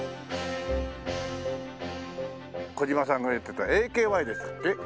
小嶋さんが言ってたＡＫＹでしたっけ？